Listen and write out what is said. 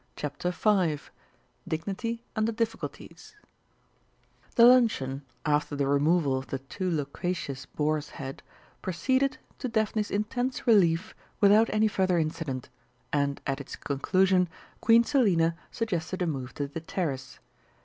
CHAPTER V DIGNITY UNDER DIFFICULTIES The luncheon, after the removal of the too loquacious boar's head, proceeded, to Daphne's intense relief, without any further incident, and at its conclusion Queen Selina suggested a move to the terrace.